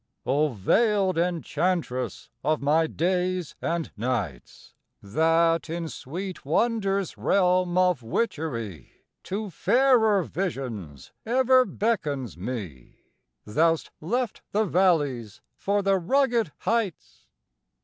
O veiled enchantress of my days and nights, That in sweet wonder's realm of witchery To fairer visions ever beckons me, Thou'st left the valleys for the rugged heights!